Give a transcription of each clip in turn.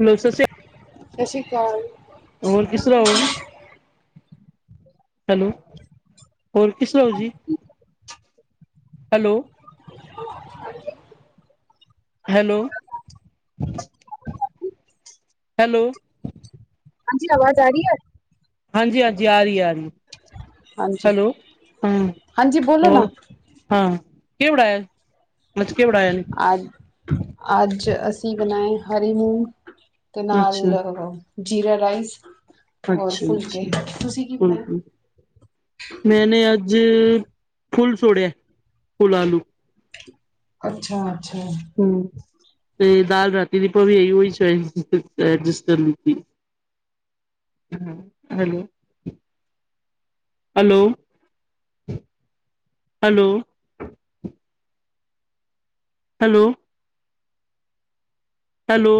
Hello ਸਤਿ ਸ਼੍ਰੀ ਸਸ ਰੀ ਕਾਲ। ਅਕਾਲ ਹੋਰ ਕਿਸ ਤਰ੍ਹਾਂ ਹੋ ਹੈਲੋ, ਹੋਰ ਕਿਸ ਤਰਾਂ ਹੋ ਜੀ, ਹੈਲੋ। [inaudible] ਹੈਲੋ, ਹੈਲੋ, ਹਾਂਜੀ ਆਵਾਜ਼ ਆ ਰਹੀ ਹੈ? ਹਾਂਜੀ- ਹਾਂਜੀ ਆ ਰਹੀ ਏ, ਆ ਰਹੀ ਏ। ਹਾਂਜੀ, ਹੈਲੋ, ਹਾਂ ਹਾਂਜੀ ਬੋਲੋ ਨਾ ਹੋਰ ਹਾਂ ਕੀ ਉੜਾਇਆ। ਨੱਚ ਕੇ ਉੜਾਇਆ ਇਹਨੇ। ਅੱਜ ਅੱਜ ਅਸੀਂ ਬਣਾਏ ਹਰੀ ਮੂੰਗ, ਤੇ ਅੱਛਾ ਨਾਲ ਜੀਰਾ ਰਾਈਸ ਔਰ ਫੁਲਕੇ, ਅੱਛਾ-ਅੱਛਾ, ਤੁਸੀਂ ਕੀ ਬਣਾਇਆ? ਬਿਲਕੁਲ ਮੈਨੇ ਅੱਜ ਜੇ ਫੁਲ ਸੋੜਿਆ, ਫੁਲ ਆਲੂ ਅੱਛਾ ਅੱਛਾ, ਹੂੰ ਤੇ ਦਾਲ ਰਾਤੀ ਦੀ ਭਾਵੀ ਇਹੀ ਹੋ ਹੀ ਐਡਜਸਟ ਕਰ ਲਿਤੀ। Hello hello, hello hello hello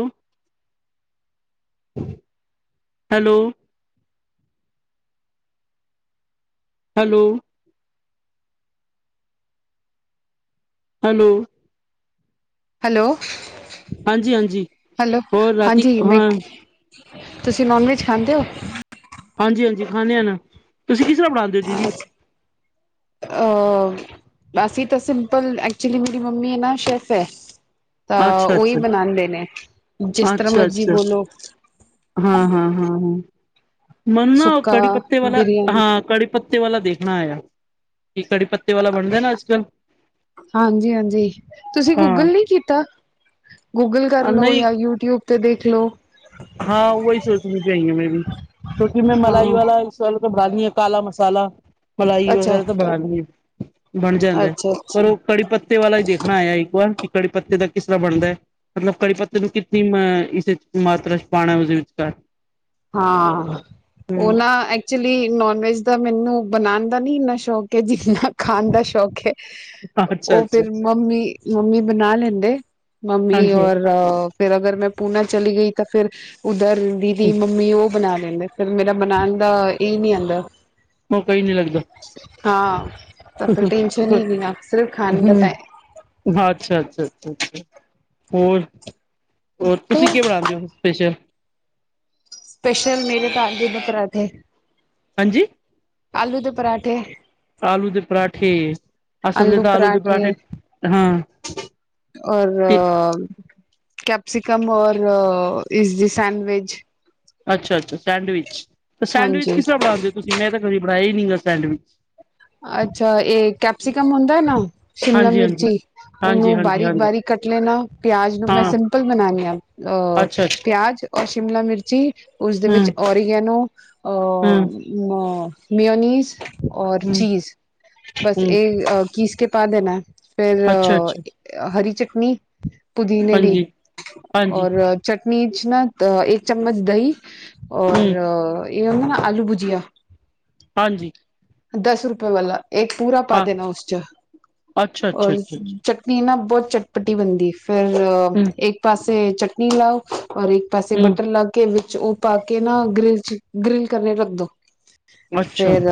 hello hello hello hello ਹਾਂਜੀ-ਹਾਂਜੀ, ਹੈਲੋ ਹੋਰ ਰਾਤੀ ਹਾਂਜੀ ਮੈਂ ਹਾਂ ਤੁਸੀਂ ਨੋਨ ਵੈਜ ਖਾਂਦੇ ਹੋ। ਹਾਂਜੀ-ਹਾਂਜੀ ਖਾਣੇ ਆ ਨਾ, ਤੁਸੀਂ ਕਿਸ ਤਰ੍ਹਾਂ ਬਣਾਂਦੇ ਹੋ ਦੀਦੀ। ਆਹ ਬਸ ਤਾਂ ਸਿੰਪਲ ਐਕਚੁਲੀ ਮੇਰੀ ਮੰਮੀ ਹੈ ਨਾ ਸ਼ੈਫ ਹੈ। ਤਾਂ ਅੱਛਾ ਉਹੀ ਅੱਛਾ ਬਣਾਂਦੇ ਨੇ। ਜਿਸ ਤਰ੍ਹਾਂ ਅੱਛਾ ਮਰਜ਼ੀ ਅੱਛਾ ਬੋਲੋ। ਮੈਨੂ ਨਾ ਉਹ ਸੁੱਕਾ ਕੜੀ ਪੱਤੇ ਵਾਲਾ ਬਿਰਯਾਨੀ ਹਾਂ, ਕੜੀ ਪੱਤੇ ਵਾਲਾ ਦੇਖਣਾ ਆ, ਕਿ ਕੜੀ ਪੱਤੇ ਵਾਲਾ ਬਣਦਾ ਨਾ ਅੱਜ ਕੱਲ ਹਾਂਜੀ-ਹਾਂਜੀ, ਤੁਸੀਂ ਹਾਂ ਗੂਗਲ ਨੀ ਕੀਤਾ। ਗੂਗਲ ਕਰ ਲੋ, ਨਹੀਂ ਜਾਂ ਯੂਟਿਊਬ ਤੇ ਦੇਖ ਲੋ। ਹਾਂ ਉਹੀ ਸੋਚਣੀ ਚਾਹੀਦੀ ਐ, ਮੈਂ ਵੀ ਕਿਉਂਕਿ ਮੈਂ ਹਾਂ ਮਲਾਈ ਵਾਲਾ ਮਸਾਲ ਬਣਾ ਲਈਏ ਕਾਲਾ ਮਸਾਲਾ, ਮਲਾਈ ਅੱਛਾ, ਵਗੈਰਾ ਤਾਂ ਬਣਾ ਲਈਏ ਬਣ ਜਾਂਦਾ, ਪਰ ਅੱਛਾ-ਅੱਛਾ ਉਹ ਕੜੀ ਪੱਤੇ ਵਾਲਾ ਹੀ ਦੇਖਣਾ ਆਇਆ ਇੱਕ ਵਾਰ। ਕਿ ਕੜੀ ਪੱਤੇ ਦਾ ਕਿਸ ਤਰ੍ਹਾਂ ਬਣਦਾ ਐ, ਮਤਲਬ ਕੜੀ ਪੱਤੇ ਨੂੰ ਕਿੱਤਨੀ ਅ ਇਸ ਮਾਤਰਾ ਚ ਪਾਣਾ ਉਸਦੇ ਵਿਚਕਾਰ। ਹਾਂ, ਓਹ ਹਮ ਨਾ ਐਕਚੁਲੀ ਨੋਨ ਵੈਜ ਦਾ ਮੈਨੂੰ ਬਣਾਣ ਦਾ ਨੀ ਇੰਨਾ ਸ਼ੌਕ ਐ, ਜਿੰਨਾ ਖਾਣ ਦਾ ਸ਼ੌਕ ਐ, ਅੱਛਾ ਉਹ ਅੱਛਾ ਫੇਰ ਮੰਮੀ-ਮੰਮੀ ਬਣਾ ਲੈਂਦੇ। ਮੰਮੀ ਹਾਂਜੀ ਔਰ ਹਾਂਜੀ ਫਿਰ ਅਗਰ ਮੈਂ ਪੂਨਾ ਚਲੀ ਗਈ ਤਾਂ ਫੇਰ ਉੱਧਰ ਦੀਦੀ ਮੰਮੀ ਉਹ ਬਣਾ ਲੈਂਦੇ ਫਿਰ ਮੇਰਾ ਬਣਾਉਣ ਦਾ ਇਹ ਨਹੀਂ ਆਉਂਦਾ ਉਹ ਮੌਕਾ ਹੀ ਨੀ ਲੱਗਦਾ ਸਫਲ ਟੈਨਸ਼ਨ ਹੀ ਨ ਅਕਸਰ ਖਾਨ ਦਾ ਟਾਈਮ ਅੱਛਾ-ਅੱਛਾ ਹੋਰ-ਹੋਰ ਤੁਸੀਂ ਕੀ ਬਣਾਉਂਦੇ ਹੋ ਸਪੈਸ਼ਲ ਸਪੈਸ਼ਲ ਮੇਰੇ ਤਾਂ ਦੇ ਬਕਰਾ ਦੇੇ ਹਾਂਜੀ ਆਲੂ ਦੇ ਪਰਾਂਠੇ ਆਲੂ ਦੇ ਪਰਾਠੇ ਅਸਲ ਦੇ ਤਾਂ ਆਲੂ ਦੇ ਪਰਾਠੇ ਹਾਂ ਔਰ ਕਿਆ ਮੈਕਸੀਕਨ ਔਰ ਦੀ ਸੈਂਡਵਿਚ ਅੱਛਾ-ਅੱਛਾ ਸੈਂਡਵਿਚ ਤੇ ਸੈਂਡਵਿਚ ਹਾਂਜੀ ਕਿਸ ਤਰ੍ਹਾਂ ਬਣਾਉਂਦੇ ਹੋ ਤੁਸੀਂ ਮੈਂ ਤਾਂ ਕਦੇ ਬਣਾਇਆ ਹੀ ਨੀ ਗਾ ਸੈਂਡਵਿਚ ਅੱਛਾ ਇਹ ਕੈਪਸੀਕਮ ਹੁੰਦਾ ਨਾ ਸ਼ਿਮਲਾ ਹਾਂਜੀ ਹਾਂਜੀ ਮਿਰਚੀ ਹਾਂਜੀ ਉਹਨੂੰ ਹਾਂਜੀ ਹਾਂਜੀ ਬਾਰੀਕ-ਬਾਰੀਕ ਕੱਟ ਲੈਣਾ ਪਿਆਜ ਨੂੰ ਮੈਂ ਹਾਂ ਸਿੰਪਲ ਬਨਾਨੀ ਹਾਂ ਅਹ ਅੱਛਾ ਅੱਛਾ ਪਿਆਜ ਰ ਸ਼ਿਮਲਾ ਮਿਰਚੀ ਉਸਦੇ ਹਮ ਵਿੱਚ ਓਰੀਗੈਨੋ ਹਮ ਚਾਨੀਜ਼ ਔਰ ਹਮ ਚੀਜ਼ ਬਸ ਹਮ ਇਹ ਕੀਸ ਕੇ ਪਾ ਦੇਣਾ ਹੈ ਫਿਰ ਅੱਛਾ ਅੱਛਾ ਹਰੀ ਚਟਨੀ ਪੁਦੀਨੇ ਦੀ, ਹਾਂਜੀ ਹਾਂਜੀ ਔਰ ਚਟਨੀ ਚ ਨਾ ਇੱਕ ਚਮਚ ਦਹੀਂ ਹਮ ਔਰ ਇਹ ਹੁੰਦਾ ਨਾ ਆਲੂ ਭੁਜੀਆ ਹਾਂਜੀ। ਦਸ ਰੁਪਏ ਵਾਲਾ ਇੱਕ ਪੂਰਾ ਪਾ ਹਾਂ ਦੇਣਾ ਉਸ ਚ, ਅੱਛਾ ਅੱਛਾ ਔਰ ਅੱਛਾ ਅੱਛਾ ਚਟਨੀ ਨਾ ਬਹੁਤ ਚਟਪਟੀ ਬਣਦੀ, ਫੇਰ ਹਮ ਇੱਕ ਪਾਸੇ ਚਟਨੀ ਲਾਓ ਔਰ ਇੱਕ ਪਾਸੇ ਹਮ ਬਟਰ ਲਗਾਕੇ ਵਿਚ ਉਹ ਪਾ ਕੇ ਨਾ ਗਰਿਲ ਚ ਗਰਿਲ ਕਰਨ ਰੱਖਦੋ ਅੱਛਾ ਫੇਰ,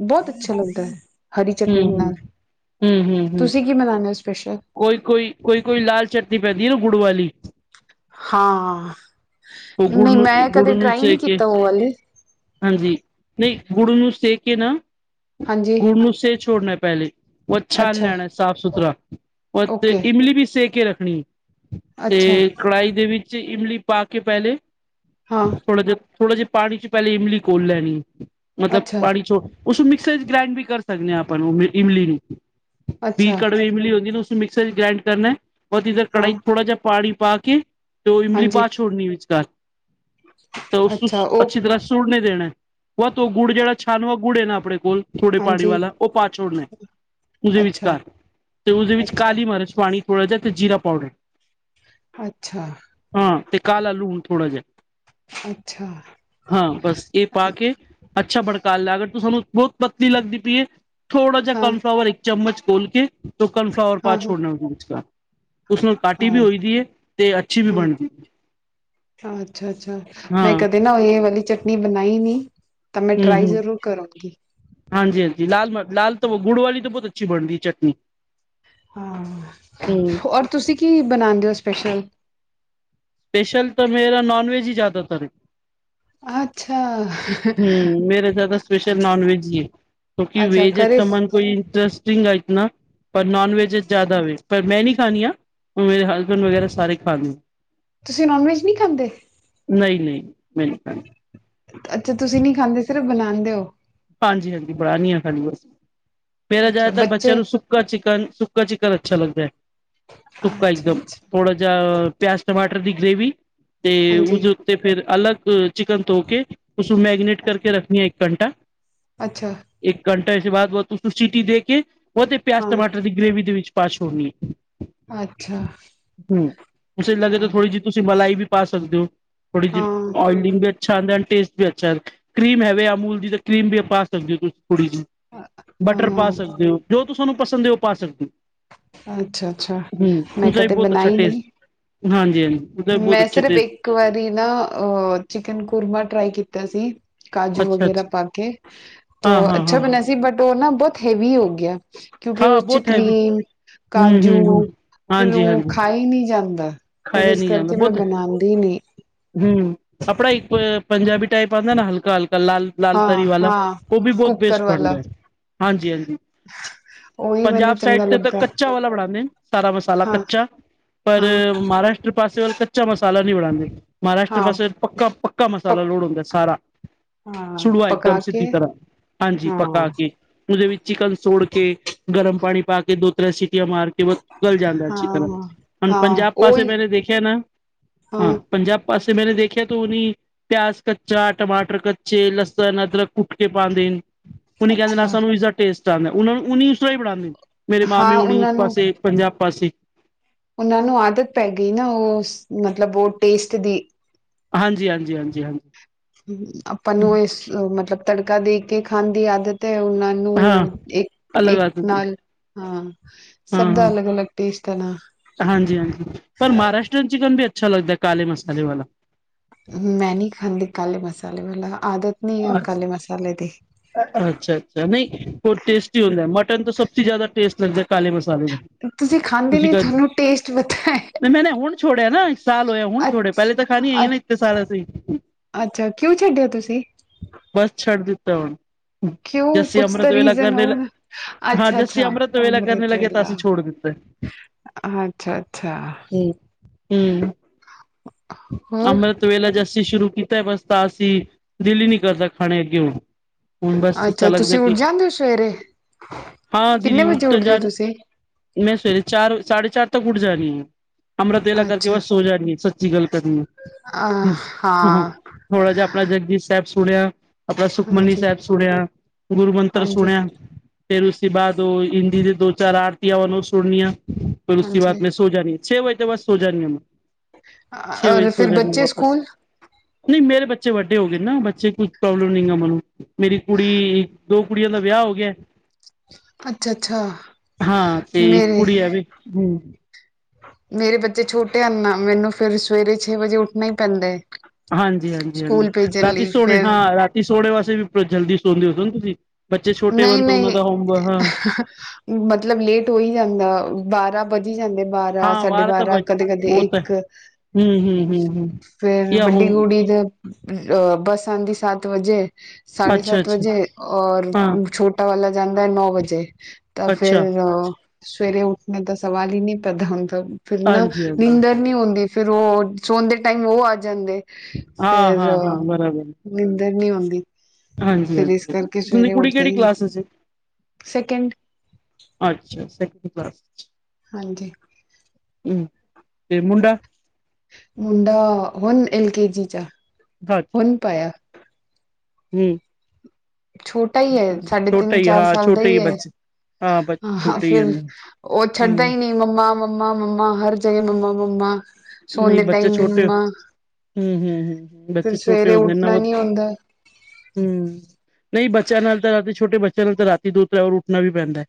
ਬਹੁਤ ਅੱਛਾ ਲੱਗਦਾ ਹੈ ਹਰੀ ਚਟਨੀ ਹੂੰ- ਹੂੰ, ਨਾਲ ਹੂੰ, ਹੂੰ, ਹੂੰ ਤੁਸੀਂ ਕੀ ਬਣਾਉਦੇ ਹੋ ਸਪੈਸ਼ਲ ਕੋਈ -ਕੋਈ, ਕੋਈ-ਕੋਈ ਲਾਲ ਚਟਨੀ ਪੈਂਦੀ ਨਾ ਗੁੜ ਵਾਲੀ ਹਾਂ ਉਹ ਗੁੜ ਨਹੀਂ ਨੂੰ ਮੈਂ ਗੁੜ ਕਦੇ ਨੂੰ ਟਰਾਈ ਨਹੀਂ ਸੇਕ ਕੇ ਕੀਤਾ ਉਹ ਵਾਲੀ ਹਾਂਜੀ, ਨਹੀਂ ਗੁੜ ਨੂੰ ਸੇ ਕੇ ਨਾ ਹਾਂਜੀ ਗੁੜ ਨੂੰ ਸੇਕ ਛੋੜਨਾ ਪਹਿਲੇ ਉਹ ਛਾਨ ਅੱਛਾ ਲੈਣਾ ਸਾਫ਼ ਸੁਥਰਾ, ਉਹ ਤੇ ਓਕੇ ਇਮਲੀ ਵੀ ਸੇਕ ਕੇ ਰੱਖਣੀ ਤੇ ਅੱਛਾ ਕੜਾਹੀ ਦੇ ਵਿੱਚ ਇਮਲੀ ਪਾ ਕੇ ਪਹਿਲੇ ਹਾਂ ਥੋੜ੍ਹਾ ਜਿਹਾ ਥੋੜਾ ਜਿਹਾ ਪਾਣੀ ਚ ਪਹਿਲੇ ਇਮਲੀ ਘੋਲ ਲੈਣੀ, ਮਤਲਬ ਅੱਛਾ ਪਾਣੀ ਚ ਉਸ ਮਿਕਸਰ ਚ ਗ੍ਰੈਂਡ ਵੀ ਕਰ ਸਕਦੇ ਹਾਂ, ਆਪਾਂ ਓਹਨੂੰ ਇਮਲੀ ਨੂੰ ਵੀ, ਅੱਛਾ ਕੜਵੇ ਇਮਲੀ ਹੁੰਦੀ ਨਾ ਮਿਕਸਰ ਗ੍ਰਾਈਂਡ ਕਰਨਾ ਹੈ, ਬਹੁਤ ਇਧਰ ਹਾਂ ਕੜਾਈ ਥੋੜਾ ਜਿਹਾ ਪਾਣੀ ਪਾ ਕੇ ਇਮਲੀ ਹਾਂਜੀ ਪਾ ਕੇ ਵਿਚਕਾਰ ਤਾਂ ਉਸਨੂੰ ਅੱਛਾ ਉਹ ਅੱਛੀ ਤਰ੍ਹਾਂ ਸੁੜ ਨਹੀਂ ਦੇਣਾ। ਉਹ ਤੋ ਗੁੜ ਜਿਹੜਾ ਛਾਨਵ ਗੁੜ ਹੈ ਨਾ ਆਪਣੇ ਕੋਲ, ਥੋੜੇ ਪਾਣੀ ਹਾਂਜੀ ਵਾਲਾ ਉਹ ਪਾਛੋੜ ਨੇ ਉਹਦੇ ਅੱਛਾ ਵਿਚਕਾਰ ਤੇ ਉਸਦੇ ਵਿੱਚ ਅੱਛਾ ਕਾਲੀ ਮਰਚ ਪਾਣੀ ਥੋੜ੍ਹਾ ਜਿਹਾ ਤੇ ਜੀਰਾ ਪਾਊਡਰ ਅੱਛਾ ਹਾਂ ਤੇ ਕਾਲਾ ਲੂਣ ਥੋੜਾ ਜਿਹਾ ਅੱਛਾ ਹਾਂ ਬਸ ਇਹ ਪਾ ਕੇ ਅੱਛਾ ਭੜਕਾ ਲਿਆ, ਅਗਰ ਤੂੰ ਸਾਨੂੰ ਬਹੁਤ ਪਤਲੀ ਲਗਦੀ ਪਈ ਹੈ, ਥੋੜਾ ਜ ਹਾਂ ਕੋਨਫਲਾਵਰ ਇੱਕ ਚਮਚ ਘੋਲ ਕੇ ਤ ਕਨਫਲਾਵਰ ਪਾ ਹਾਂ ਛੋੜਨਾ ਹੋਊ, ਉਸ ਉਸਨੂੰ ਕਾਟੀ ਹਾਂ ਵੀ ਹੋਈ ਦੀ ਹੈ ਤੇ ਅੱਛੀ ਵੀ ਹਾਂ ਬਣਦੀ ਹੈ। ਅੱਛਾ -ਅੱਛਾ ਮੈਂ ਕਦੇ ਨਾ ਇਹ ਵਾਲੀ ਚਟਨੀ ਬਣਾਈ ਨੀ ਤਾਂ ਮੈਂ ਹੂੰ ਟ੍ਰਾਈ ਹੂੰ ਜ਼ਰੂਰ ਕਰੂੰਗੀ। ਹਾਂਜੀ -ਹਾਂਜੀ ਲਾਲ ਮ ਲਾਲ ਤਾਂ ਗੁੜ ਵਾਲੀ ਤਾਂ ਬਹੁਤ ਅੱਛੀ ਬਣਦੀ ਚਟਨੀ। ਹਾਂ ਹੂੰ ਔਰ ਤੁਸੀਂ ਕੀ ਬਣਾਉਂਦੇ ਹੋ, ਸਪੈਸ਼ਲ ਸਪੇਸ਼ਲ ਤਾਂ ਮੇਰਾ ਨੌਂਨ ਵੈਜ ਹੀ ਜ਼ਿਆਦਾਤਰ ਏ ਹੂੰ। ਅੱਛਾ ਮੇਰੇ ਜਿਆ ਤਾਂ, ਸਪੇਸ਼ਲ ਨੋਨ ਵੈਜ, ਹੀ ਹੈ। ਕਿਉਂਕਿ, ਅੱਛਾ ਵੈਜ ਹੈਜ ਘਰੇ ਸਮਾਨ ਕੋਈ ਇੰਟਰਰੇਸਟਿੰਗ ਹੈ ਇਤਨਾ, ਪਰ ਨੋਨ ਵੈਜ, ਜ਼ਿਆਦਾ ਵੇ। ਪਰ ਮੈਂ, ਨਹੀਂ ਖਾਣੀ ਆ। ਮੇਰੇ ਹਸਬੈਂਡ, ਵਗੈਰਾ ਸਾਰੇ ਖਾਦੇ। ਤੁਸੀਂ, ਨੋਨ ਵੈਜ, ਨਹੀਂ ਖਾਂਦੇ? ਨਹੀਂ- ਨਹੀਂ, ਮੈਂ ਨੀ, ਖਾਂਦੀ। ਅੱਛਾ। ਤੁਸੀਂ ਨਹੀਂ ਖਾਂਦੇ, ਸਿਰਫ ਬਣਾਂਦੇ ਹੋ। ਹਾਂਜੀ- ਹਾਂਜੀ, ਬਣਦੀ ਆ, ਖਾਲੀ ਬਸ। ਮੇਰਾ ਅੱਛਾ ਜ਼ਿਆਦਾਤਰ ਬੱਚਿਆਂ ਬੱਚੇ ਨੂੰ, ਸੁੱਕਾ ਚਿਕਨ, ਸੁੱਕਾ ਚਿਕਨ। ਅੱਛਾ ਲੱਗਦਾ ਹੈ, ਸੁੱਕਾ ਇੱਕ ਅੱਛਾ ਦਮ। ਅੱਛਾ ਥੋੜਾ ਜਿਹਾ ਪਿਆਜ਼, ਟਮਾਟਰ ਦੀ ਗ੍ਰੇਵੀ। ਤੇ ਹਾਂਜੀ ਉਸਦੇ ਉੱਤੇ ਫੇਰ, ਅਲੱਗ ਚਿਕਨ ਧੋ ਕੇ, ਉਸਨੂੰ ਮੈਰੀਨੇਟ ਕਰਕੇ ਰੱਖਣੀ ਆਂ। ਇੱਕ ਘੰਟਾ। ਅੱਛਾ। ਤੋਂ ਏਸ ਦੇ, ਬਾਅਦ ਉਸਨੂੰ ਚ ਸੀਟੀ ਦੇ ਕੇ ਉਹ ਤੇ ਪਿਆਜ਼, ਹਾਂ ਟਮਾਟਰ ਦੀ ਗ੍ਰੇਵੀ, ਦੇ ਵਿੱਚ ਪਾ ਛੋੜਨੀ ਆ। ਅੱਛਾ ਹੂੰ। ਤੁਂ ਲੱਗੇ ਤਾਂ ਹਾਂ ਥੋੜੀ, ਜਿਹੀ ਤੁਸੀਂ ਮਲਾਈ ਵੀ, ਪਾ ਸਕਦੇ ਹੋ। ਥੋੜੀ ਜਿਹੀ, ਹਾਂ ਓਇਲਿੰਗ ਵੀ, ਅੱਛਾ ਆਉਂਦਾ, ਟੇਸਟ ਵੀ, ਅੱਛਾ ਆਂਦਾ, ਕਰੀਮ ਹੈਵੇ ਅਮੂਲ ਦੀ। ਕਰੀਮ ਵੀ ਪਾ ਸਕਦੇ ਹੋ। ਤੁਸੀਂ, ਥੋੜੀ ਜੀ, ਬਟਰ ਪਾ ਹਾਂ ਸਕਦੇ ਹੋ। ਜੋ ਤੁਸਾਨੂੰ, ਪਸੰਦ ਹੈ। ਉਹ ਪਾ ਸਕਦੇ ਹੋ। ਅੱਛਾ- ਅੱਛਾ। ਹਮ ਮੈਂ, ਉਸਦਾ ਵੀ ਕਦੇ ਬਹੁਤ ਅੱਛਾ ਬਣਾਈ ਨਹੀਂ। ਟੇਸਟ ਹਾਂਜੀ ਹਾਂਜੀ ਉਹਦਾ ਵੀ ਬਹੁਤ ਮੈਂ, ਅੱਛਾ ਸਿਰਫ, ਟੇਸਟ ਇੱਕ ਵਾਰੀ ਨਾ, ਅ ਚਿਕਨ ਕੁਰਮਾ, ਟਰਾਈ ਕੀਤਾ ਸੀ। ਕਾਜੂ, ਅੱਛਾ ਵਗੈਰਾ ਅੱਛਾ ਪਾ ਕੇ। ਹਾਂ ਤੋਂ, ਹਾਂ ਅੱਛਾ, ਹਾਂ ਬਣਿਆ ਸੀ, ਬਟ ਉਹ ਨਾ, ਬਹੁਤ ਹੈਵੀ ਹੋ ਗਿਆ। ਕਿਉਂਕਿ, ਹਾਂ ਉਸ ਚ ਬਹੁਤ ਹੈਵੀ ਕਰੀਮ, ਹਮ ਕਾਜੂ ਹਮ ਹਮ ਫੇਰ ਹਾਂਜੀ ਉਹ ਹਾਂਜੀ ਖਾ, ਹੀ ਨਹੀਂ। ਜਾਂਦਾ, ਫੇਰ, ਇਸ ਕਰਕੇ ਮੈਂ, ਬਣਾਉਂਦੀ ਨੀ। ਹੂੰ। ਅਪੜਾ ਇੱਕ ਪੰਜਾਬੀ ਟਾਈਪ, ਆਉਂਦਾ ਨਾ ਹਲਕਾ- ਹਲਕਾ। ਲਾਲ- ਲਾਲ, ਤਰੀ ਹਾਂ ਵਾਲਾ। ਹਾਂ ਉਹ ਵੀ, ਬਹੁਤ ਕੁੱਕਰ ਬੇਸਟ ਬਣਦਾ ਵਾਲਾ ਹੈ। ਹਾਂਜੀ- ਹਾਂਜੀ। ਉਹੀ ਪੰਜਾਬ ਮੈਨੂੰ ਸਾਈਡ ਚੰਗਾ ਤੇ ਤਾਂ ਲੱਗਦਾ ਕੱਚਾ ਵਾਲਾ ਬਣਾਂਦੇ ਨੇ ਸਾਰਾ ਮਸਾਲਾ ਹਾਂ ਕੱਚਾ ਪਰ, ਹਾਂ ਮਹਾਰਾਸ਼ਟਰ, ਪਾਸੇਔ ਕੱਚਾ ਮਸਾਲਾ ਨਹੀਂ ਬਣਾਉਂਦੇ। ਮਹਾਰਾਸ਼ਟਰ, ਹਾਂ ਪਾਸੇ ਪੱਕਾ- ਪੱਕਾ, ਮਸਾਲਾ ਪਕ ਲੋੜ ਹੁੰਦਾ ਸਾਰਾ। ਹਾਂ ਸੁੜਵਾ ਇੱਕਦਮ ਪਕਾ ਕੇ ਸਿੱਧੀ ਤਰਾਂ, ਹਾਂਜੀ। ਪਕਾ ਹਾਂ ਕੇ, ਉਦੇ ਵਿੱਚ। ਚਿਕਨ ਸੋੜ ਕੇ, ਗਰਮ ਪਾਣੀ ਪਾ ਕੇ, ਦੋ ਤਰਾਂ ਸੀ ਮਾਰ ਕੇ, ਉਬਲ ਜਾਂਦਾ ਹੈ। ਅੱਛੀ ਤਰਾਂ, ਹਾਂ ਹੂਣ ਹਾਂ ਪੰਜਾਬ ਪਾਸੇ, ਉਹੀ ਮੇਰੇ ਦੇਖਿਆ ਨਾ। ਹਾਂ। ਪੰਜਾਬ। ਪਾਸੇ, ਮੈਂਨੇ ਦੇਖਿਆ। ਤਾਂ ਉਹ ਨਹੀਂ, ਪਿਆਜ਼ ਕੱਚਾ, ਟਮਾਟਰ ਕੱਚੇ, ਲਸਣ, ਅਦਰਕ ਕੁੱਟ ਕੇ ਪਾਉਂਦੇਨ। ਓਨੀ ਕਹਿੰਦੇ ਨਾ, ਅੱਛਾ ਸਾਨੂੰ ਇਸਦਾ ਟੇਸਟ ਆਣਦਾ। ਉਹ ਨੂੰ ਉਸ, ਤਰਾਂ ਬਣਾ ਦੇਣਾ। ਮੇਰੇ ਮਾਮੇ ਹਾਂ ਹੁਣੀ, ਉਹਨਾਂ ਉਸ ਨੂੰ ਪਾਸੇ, ਪੰਜਾਬ ਪਾਸੇ। ਉਹਨਾਂ ਨੂੰ, ਆਦਤ ਪੈ ਗਈ ਨਾ। ਉਹ ਸ ਮਤਲਬ, ਉਹ ਟੇਸਟ ਦੀ। ਹਾਂਜੀ- ਹਾਂਜੀ, ਹਾਂਜੀ- ਹਾਂਜੀ। ਆਪਾਂ ਨੂੰ, ਇਸ ਮਤਲਬ, ਤੜਕਾ ਦੇ, ਕੇ ਖਾਣ ਦੀ ਆਦਤ। ਤੇ ਉਹਨਾਂ ਹਾਂ ਨੂੰ, ਇੱਕ- ਅਲੱਗ ਇੱਕ, ਆਦਤ ਨਾਲ। ਹਾਂ। ਹਾਂ ਸਭ ਦਾ, ਹਾਂ ਅਲੱਗ- ਅਲੱਗ, ਟੇਸਟ ਹੈ, ਨਾ। ਹਾਂਜੀ- ਹਾਂਜੀ, ਪਰ ਮਹਾਰਾਸ਼ਟਰੀਨ, ਚਿਕਨ ਵੀ ਅੱਛਾ, ਲੱਗਦਾ ਹੈ। ਕਾਲੇ, ਮਸਾਲੇ ਵਾਲਾ। ਮੈਂ ਨਹੀਂ ਖਾਂਦੀ ਕਾਲੇ ਮਸਾਲੇ ਵਾਲਾ ਆਦਤ ਨੀ ਹੈ। ਕਾਲੇ, ਮਸਾਲੇ ਦੀ। ਅੱਛਾ- ਅੱਛਾ। ਨਹੀਂ, ਬਹੁਤ ਟੇਸਟੀ ਹੁੰਦਾ ਹੈ। ਮਟਨ ਤਾਂ ਸਭ ਸੇ ਜ਼ਿਆਦਾ। ਟੇਸਟ ਲੱਗਦਾ ਕਾਲੇ ਮਸਾਲੇ ਦਾ। ਤੁਸੀਂ ਖਾਂਦੇ ਤੁਸੀਂ ਨੀ ਕਰ, ਤੁਹਾਨੂੰ ਟੇਸਟ ਪਤਾ ਹੈ ਨਹੀਂ, ਮੈਂ ਨਾ ਹੁਣ। ਛੋੜਿਆ ਨਾ, ਇੱਕ ਸਾਲ ਹੋਇਆ। ਹੁਣ ਛੋੜਿਆ, ਪਹਿਲੇ ਤਾਂ, ਖਾਣੀ ਆਈ ਅ ਨਾ, ਇੱਤੇ ਸਾਲ ਅਸੀਂ। ਅੱਛਾ। ਕਿਉਂ ਛੱਡਿਆ ਤੁਸੀਂ? ਬਸ, ਛੱਡ ਦਿੱਤਾ ਹੁਣ। ਕਿਉਂ ਜੱਸੀ, ਕੁਛ ਤਾਂ ਅੰਮ੍ਰਿਤ ਵੇਲਾ ਰੀਜ਼ਨ ਕਰਨੇ ਹੋਊ ਨਾ ਹਾਂ। ਅੱਛਾ ਜੱਸੀ, ਅੱਛਾ ਅੰਮ੍ਰਿਤ ਵੇਲਾ ਕਰਨੇ ਲੱਗੇ। ਤਾਂ, ਵੇਲਾ ਅਸੀਂ ਛੋੜ ਦਿੱਤਾ। [inaudible] ਅੱਛਾ- ਅੱਛਾ। ਹੂੰ। ਹੋਰ ਅੰਮ੍ਰਿਤ ਵੇਲਾ ਜਾਸ ਅਸੀਂ ਸ਼ੁਰੂ ਕੀਤਾ। ਬਸ ਤਾਂ, ਅਸੀਂ ਦਿਲ ਹੀ, ਨਹੀਂ ਕਰਦਾ, ਖਾਣੇ ਗੇ ਹੂੰ। ਹੁਣ। ਬਸ ਇਸ ਤਾਂ ਅੱਛਾ ਲੱਗਦਾ ਤੁਸੀਂ ਉੱਠ ਕਿ, ਜਾਂਦੇ ਹੋ ਸਵੇਰੇ ਹਾਂ। ਦੀਦੀ ਕਿੰਨੇ ਉੱਠ ਵਜੇ ਤਾਂ ਉੱਠਦੇ ਹੋ ਜਾਣ। ਤੁਸੀਂ ਮੈਂ, ਸਵੇਰੇ ਚਾਰ, ਸਾਢੇ ਚਾਰ ਤੱਕ, ਉੱਠ ਜਾਣੀ ਆਂ। ਅੰਮ੍ਰਿਤ ਵੇਲਾ ਕਰਕੇ ਅੱਛਾ ਬਸ ਸੋ ਜਾਣੀ ਸੱਚੀ ਗੱਲ ਕਰਨੀ। ਅ ਹਾਂ ਥੋੜਾ ਜਿਹਾ ਆਪਣਾ ਜਪਜੀ ਸਾਹਿਬ। ਸੁਣਿਆ ਆਪਣਾ ਸੁਖਮਨੀ ਹਾਂਜੀ ਸਾਹਿਬ ਸੁਣਿਆ, ਗੁਰੂ ਮੰਤਰ ਹਾਂਜੀ ਸੁਣਿਆ। ਫੇਰ ਉਸ ਬਾਅਦ ਉਹ ਹਿੰਦੀ ਦੇ ਦੋ ਚਾਰ ਆਰਤੀਆਂ ਵਨ ਉਹ ਸੁਣਨੀਆਂ ਫੇਰ ਉਸ ਤੋਂ ਬਾਅਦ ਹਾਂਜੀ ਮੈਂ ਸੋ ਜਾਾਨੀ। ਛੇ ਵਜੇ ਤੋਂ ਬਾਅਦ ਸੋ ਜਾਣ ਮੈਂ ਛੇ ਵਜੇ ਔਰ ਸੋ ਫਿਰ ਜਾਦੀ ਬੱਚੇ ਵਾਪਸ ਸਕੂਲ ਨਹੀਂ ਮੇਰੇ ਬੱਚੇ। ਬੱਚੇ ਵੱਡੇ ਹੋ ਗਏ ਨਾ ਬੱਚੇ ਕੁਛ ਪ੍ਰੋਬਲਮ ਨੀ ਗੀ ਮੈਨੂੰ ਮੇਰੀ ਕੁੜੀ। ਦੋ ਕੁੜੀਆਂ ਦਾ ਵਿਆਹ ਹੋ ਗਿਆ। ਅੱਛਾ ਅੱਛਾ ਹਾਂ ਤੇ ਮੇਰੇ ਕੁੜੀ ਆ ਵੀ ਹੀ। ਮੇਰੇ ਬੱਚੇ ਛੋਟੇ ਹਨ ਨਾ ਮੈਨੂੰ ਫੇਰ ਸਵੇਰੇ ਛੇ ਵਜੇ ਉੱਠਣਾ ਹੀ ਪੈਂਦਾ। ਹਾਂਜੀ ਹਾਂਜੀ ਹਾਂਜੀ ਸਕੂਲ ਭੇਜਣ ਰਾਤੀ ਲਈ ਸੋਣੇ ਫਿਰ ਹਾਂ ਰਾਤੀ ਸੋਣੇ ਵਾਸਤੇ ਵੀ ਜਲਦੀ ਸੌਦੇ ਹੋ ਤੁਸੀਂ। ਬੱਚੇ ਛੋਟੇ ਹੋਣ ਨਹੀਂ ਤਾਂ ਉਹਨਾਂ ਨਹੀਂ ਦਾ ਹੋਮ ਹਾਂ ਮਤਲਬ ਲੇਟ ਹੋ ਹੀ ਜਾਂਦਾ ਬਾਰਾਂ। ਵੱਜ ਜਾਂਦੇ ਬਾਰਾਂ ਹਾਂ ਸਾਡੇ ਵਾਰ ਤਾਂ ਬਾਰਾਂ ਬ ਕਦੇ ਕਦੇ ਉਹ ਤਾਂ ਇੱਕ। ਹੂੰ ਹੂੰ ਹੂੰ ਹੂੰ ਫੇਰ ਜਾਂ ਵੱਡੀ ਹੋਮ ਕੁੜੀ ਦੇ। ਅ ਬੱਸ ਆਂਦੀ ਸੱਤ ਵਜੇ ਸਾਢੇ ਅੱਛਾ ਸੱਤ ਅੱਛਾ ਵਜੇ ਔਰ। ਹਾਂ ਛੋਟਾ ਵਾਲਾ ਜਾਂਦਾ ਹੈ ਨੌ ਵਜੇ ਤਾਂ ਅੱਛਾ ਫੇਰ ਸਵੇਰੇ ਉੱਠਣੇ ਦਾ। ਸਵਾਲ ਹੀ ਨੀ ਪੈਦਾ ਹੁੰਦਾ ਫਿਰ ਨਾ ਹਾਂਜੀ ਹਾਂਜੀ ਨਿੰਦਰ ਨੀ ਹੁੰਦੀ। ਫੇਰ ਉਹ ਸੋਣ ਦੇ ਟਾਈਮ ਉਹ ਆ ਜਾਂਦੇ ਹਾਂ ਫੇਰ। ਹਾਂ ਹਾਂ ਬਰਾਬਰ ਨੀਂਦਰ ਨੀ ਹੁੰਦੀ। ਹਾਂਜੀ ਹਾਂਜੀ ਤੁ ਦੀ ਕੁੜੀ ਉੱਠਦੇ ਕਿਹੜੀ। ਹੀ ਨਹੀਂ ਸੈਕਿੰਡ ਅੱਛਾ। ਹਾਂਜੀ। ਤੇ ਮੁੰਡਾ। ਮੁੰਡਾ ਹੋਣ ਐਲਕੇ ਜੀ ਚ ਹੁਣ ਪਾਇਆ। ਹਮ। ਛੋਟਾ ਹੀ ਹੈ ਸਾਢੇ ਤਿੰਨ ਹੀ ਚਾਰ ਹਾਂ ਸਾਲ ਦਾ ਛੋਟੇ ਹੀ ਹੈ। ਬੱਚੇ ਹਾਂ ਬੱਚੇ ਹਹ ਛੋਟੇ ਹੀ ਫਿਰ ਹਨ ਉਹ ਛੱਡਦਾ ਹੂੰ ਹੀ ਨਹੀਂ ਮੰਮਾ । ਮੰਮਾ ਮੰਮਾ ਹਰ ਜਗ੍ਹਾ ਮੰਮਾ ਮੰਮਾ। ਸੋਣ ਨਹੀਂ ਦੇ ਬੱਚੇ ਟਾਈਮ ਵੀ ਛੋਟੇ ਹੋ। ਮੰਮਾ ਹਮ ਹਮ ਹਮ ਹ ਫਿਰ ਬੱਚੇ ਛੋਟੇ ਸਵੇਰੇ ਹੁੰਦੇ ਨਾ ਉੱਠਣਾ ਨੀ ਹੁੰਦਾ ਹਮ। ਨਹੀਂ ਬੱਚਿਆਂ ਨਾਲ ਤਾਂ ਰਾਤੀ ਛੋਟੇ ਬੱਚਿਆਂ ਨਾਲ ਤਾਂ ਰਾਤੀ ਦੋ ਤਿੰਨ ਵਾਰ ਉੱਠਣਾ ਵੀ ਪੈਂਦਾ ਹੈ।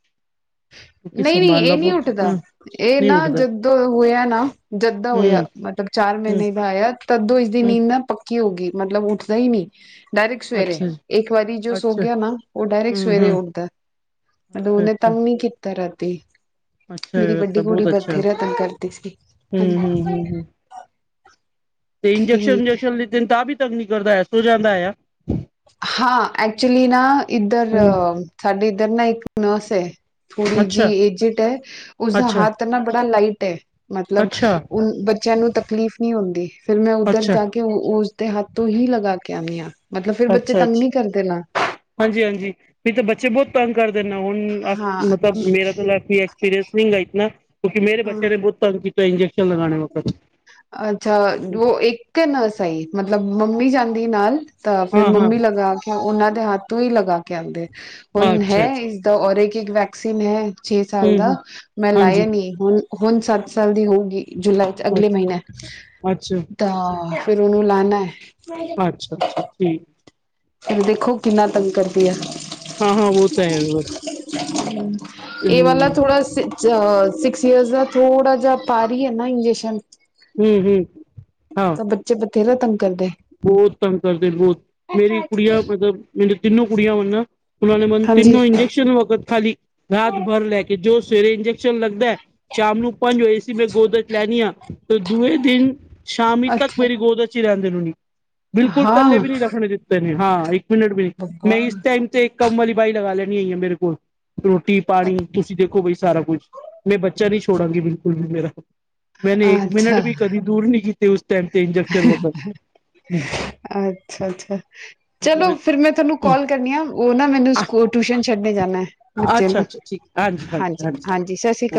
ਕਿਉਂਕਿ ਨਹੀਂ ਨਹੀਂ ਸੰਭਾਲਣਾ ਇਹ ਨਹੀਂ ਬਹੁਤ ਹੂੰ ਉੱਠਦਾ ਇਹ ਨਹੀਂ ਨਾ ਉੱਠਦਾ ਜਦੋਂ ਹੋਇਆ ਨਾ ਜਦ। ਹੋਇਆ ਹੂੰ ਮਤਲਬ ਚਾਰ ਹੂੰ ਮਹੀਨੇ ਦਾ ਆਇਆ ਤਦੋਂ ਇਸਦੀ ਹੂੰ ਨੀਂਦ ਨਾ ਪ। ਕੀ ਹੋ ਗਈ ਮਤਲਬ ਉੱਠਦਾ ਹੀ ਨਹੀਂ। ਡਾਇਰੇੈਕਟ ਸਵੇਰੇ ਅੱਛਾ ਜੀ ਇੱਕ ਵਾਰੀ ਜੋ ਸੋ ਅੱਛਾ ਗਿਆ ਨਾ ਉਹ ਡਾਇਰੇੈਕਟ ਹੂੰ ਸਵੇਰੇ ਹੂੰ ਉੱਠਦਾ ਮਤਲਬ ਅੱਛਾ ਉਹਨੇ। ਅੱਛਾ ਤੰਗਨੀ ਕਿਥੇ ਰਹਿਤੀ। ਅੱਛਾ ਮੇਰੀ ਵੱਡੀ ਤਾਂ ਕੁੜੀ ਬਹੁਤ ਅੱਛਾ ਬਥੇਰਾ ਤੰਗ ਕਰਦੀ ਸੀ ਹੂੰ । ਹੂੰ ਹੂੰ ਹੂੰ ਤੇ ਇੰਜੈਕਸ਼ਨ ਇੰਜੈਕਸ਼ਨ ਲ ਤਾਂ ਵੀ ਤੱਕ ਨੀ ਕਰਦਾ ਹੈ ਸੋ ਜਾਂਦਾ ਹੈ। ਹਾਂ ਐਕਚੁਲੀ ਨਾ ਇੱਧਰ ਹੂੰ ਸਾਡੇ ਇੱਧਰ ਨਾ ਇੱਕ ਨਰਸ ਹੈ। ਥੋੜੀ ਅੱਛਾ ਜਿਹੀ ਏਜਟ ਹੈ ਉਸਦਾ ਅੱਛਾ ਹੱਥ ਨਾ ਬੜਾ ਲਾਈਟ ਹੈ। ਮਤਲਬ ਅੱਛਾ ਬੱਚਿਆਂ ਨੂੰ ਤਕਲੀਫ਼ ਨਹੀਂ ਹੁੰਦੀ ਫਿਰ ਮੈਂ ਅੱਛਾ ਉੱਧਰ ਜਾ ਕੇ ਉਸਦੇ ਹੱਥ ਤੋਂ ਹੀ ਲਗਾ। ਕਿਆ ਆ। ਮਤਲਬ ਫਿਰ ਬੱਚੇ ਅੱਛਾ ਤੰਗ ਨਹੀਂ ਅੱਛਾ ਕਰਦੇ ਨਾ, ਹਾਂਜੀ ਹਾਂਜੀ ਵੀ ਤਾਂ ਬੱਚੇ ਬਹੁਤ ਤੰਗ ਕਰਦੇ। ਨਾ ਹਣ ਹਾਂ, ਮਤਲਬ ਮੇਰਾ ਤਾਂ ਲਫ ਐਸਪੀਰਅਨਸ ਨਹੀਂ ਗਾਾਈਤ ਨਾ। ਕਿਉਕ ਮੇਰੇ ਹਾਂ। ਬੱਚਿਆਂ ਨੇ ਬਹੁਤ ਕੀਤਾ ਇੰਜਕਟ। ਅੱਛਾ ਉਹ ਇੱਕ ਨਾ ਸਹੀ ਮਤਲਬ। ਮਤਲਬ ਮੰਮੀ ਜਾਂਦੀ ਨਾਲ ਤਾਂ ਫਿਰ ਹਾਂ-ਹਾਂ ਮੰਮੀ ਲਗਾ ਕੇ ਉਹਨਾਂ ਦੇ ਹੱਥ ਹੀ ਲਗਾ ਕੇ ਆਉਂਦੇ। ਹੁਣ ਹੈ ਅੱਛਾ-ਅੱਛਾ ਇਸਦਾ ਔਰ ਇੱਕ ਇੱਕ ਵੈਕਸੀਨ ਹੈ। ਛੇ ਸਾਲ ਦਾ ਹੂੰ-ਹੂੰ ਮੈਂ ਹਾਂਜੀ ਲਾਇਆ ਨੀ ਹੁਣ ਹੁਣ ਸੱਤ ਸਾਲ ਦੀ ਹੋਊ। ਜੁਲਾਈ ਚ ਅਗਲੇ ਮਹੀਨੇ ਅੱਛਾ-ਅੱਛਾ-ਅੱਛਾ-ਅੱਛਾ ਤਾਂ ਫਿਰ ਉਹਨੂੰ ਲਾਉਣਾ ਹੈ। ਅੱਛਾ ਅੱਛਾ ਠੀਕ। ਦੇਖੋ ਕਿੰਨਾ ਤੰਗ ਕਰਦੀ ਆ ਹਾਂ ਹਾਂ ਉਹ ਤਾਂ ਹੈ ਇਹ ਵਾਲ ਹੂੰ-ਹੂੰ-ਹੂੰ ਥੋੜਾ ਸ ਸਿਕਸ ਅਰਸ ਦਾ ਥੋੜਾ ਜਿਹਾ ਪ ਬ ਨਾ ਇੰਜੈਕਸ਼ਨ ਹਮ ਹਮ ਤਾਂ ਬੱਚੇ ਬਥੇਰੇ ਤੰ ਬਹੁਤ ਤੰਗ ਕਰਦੇ ਬਹੁਤ ਮੇਰੀ ਕੁੜੀਆਂ ਮਤਲਬ ਮੇਨ ਤਿੰਨੋ ਕੁੜੀਆਂ ਵ ਨਾ ਉਹਨਾਂ ਨੇ ਮੈਨੂੰ ਹਾਂਜੀ ਤਿੰਨੋ ਇੰਜੈਕਸ਼ਨ ਵਕਤ ਖਾਲੀ ਰਾਤ ਭਰ ਲੈ ਕੇ ਜੋ ਸਵੇਰੇ ਇੰਜੈਕਸ਼ਨ ਲੱਗਦਾ ਸ਼ਾਮ ਨੂੰ ਪੰਜ ਹੋ ਮੈਂ ਗੋਦਜ਼ ਲੈਣੀ ਹਾਂ ਤੇ ਦੂਏ ਦਿਨ ਸ਼ਾਮੀ ਤੱਕ ਅੱਛਾ ਮੇਰੀ ਗੋਦਜ ਹੀ ਰਹਿੰਦਾ ਬਿਲਕੁਲ ੱਲੇ ਹਾਂ ਵੀ ਨਹੀਂ ਰੱਖਣੇ ਦਿੱਤੇ ਨੇ ਹਾਂ ਇੱਕ ਮਿੰਟ ਵੀ ਨਹੀਂ ਬੱਬਾ, ਮੈਂ ਇਸ ਟਾਈਮ ਤੇ ਕੰਮਲਲੀ ਬਾਈ ਲਗਾ ਲੈਣੀ ਆਈਆਂ ਮੇਰੇ ਕੋਲ ਰੋਟੀ ਪਾਣੀ ਤੁਸੀਂ ਦੇਖੋ ਬਾਈ ਸਾਰਾ ਕੁਝ ਮੈਂ ਬੱਚਾ ਨਹੀਂ ਛੋੜਾਂਗੀ ਬਿਲਕੁਲ ਵੀ ਮੇਰਾ ਮੈਨੇ ਇੱਕ ਮਿੰਟ ਅੱਛਾ ਵੀ ਕਦੀ ਦੂਰ ਨਹੀਂ ਕੀਤੀ ਉਸ ਟਾਈਮ ਤੇ ਇੰਜੈਕਸ਼ਨ ਵਤ ਹ ਅੱਛਾ ਅੱਛਾ ਚਲੋ ਫਿਰ ਮੈਂ ਤੁਹਾਨੂੰ ਕਾਲ ਕਰਨੀ ਆ ਉਹ ਨਾ ਮੈਨੂੰ ਸਕੂ ਟਿਊਸ਼ਨ ਛੱਡਣੀ ਜਾਦਾ ਹੈ ਬੱਚੇ ਅੱਛਾ ਨੂੰ ਅੱਛਾ ਠੀਕ ਹਾਂਜੀ ਹਾਂਜੀ ਹਾਂਜੀ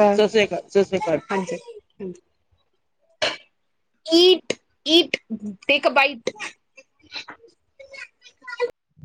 ਸਤਿ ਸ੍ਰੀ ਅਕਾਲ ਸਤਿ ਸ੍ਰੀ ਅਕਾਲ ਜੀ [inaudible] ਹਾਂਜੀ। ਹਾਂਜੀ। [inaudible] Eat take bite-